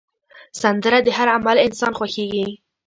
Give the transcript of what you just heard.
سندره د هر عمر انسان خوښېږي